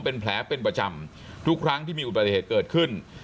เป็นแผลเป็นประจำทุกครั้งที่มีอุบัติเหตุเกิดขึ้น